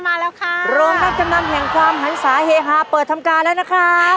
มาแล้วค่ะโรงรับจำนำแห่งความหันศาเฮฮาเปิดทำการแล้วนะครับ